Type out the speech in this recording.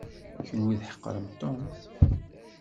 Kenwi tḥeqrem Tom.